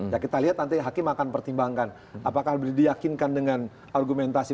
ya kita lihat nanti hakim akan pertimbangkan apakah diyakinkan dengan argumentasi